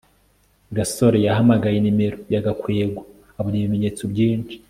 gasore yahamagaye nimero ya gakwego abona ibimenyetso byinshi